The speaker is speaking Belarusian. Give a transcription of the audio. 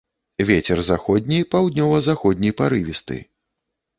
Вецер заходні, паўднёва-заходні парывісты.